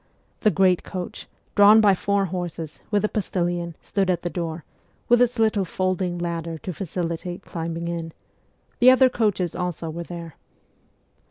The great coach, drawn by four horses, with a postilion, stood at the door, with its little folding ladder to facilitate climbing in ; the other coaches also were there.